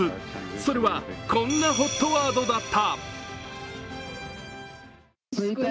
それはこんなＨＯＴワードだった。